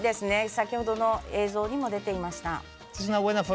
先ほどの映像にも出ていましたね。